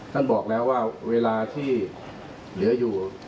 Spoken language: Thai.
ท่านบอกแล้วให้ไอหนึ่งเดียว